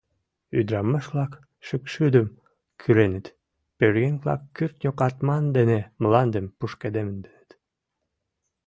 Ӱдырамаш-влак шӱкшудым кӱрыныт, пӧръеҥ-влак кӱртньӧ катман дене мландым пушкыдемденыт.